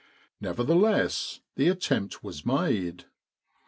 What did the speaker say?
Nevertheless the attempt was made.